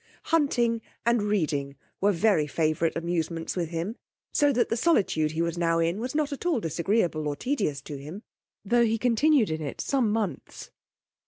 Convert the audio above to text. Hunting and reading were very favourite amusements with him, so that the solitude he now was in was not at all disagreeable or tedious to him, tho' he continued in it some months.